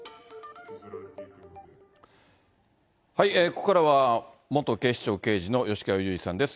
ここからは元警視庁刑事の吉川祐二さんです。